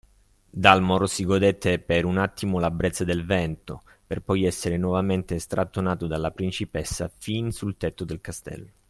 Dalmor si godette per un attimo la brezza del vento, per poi essere nuovamente strattonato dalla principessa fin sul tetto del castello.